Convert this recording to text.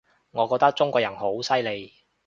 我覺得中國人好犀利